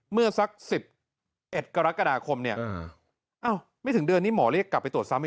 เมื่อสัก๑๑กรกฎาคมเนี่ยอ้าวไม่ถึงเดือนนี้หมอเรียกกลับไปตรวจซ้ำอีก